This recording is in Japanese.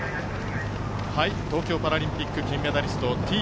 東京パラリンピック、金メダリストＴ１２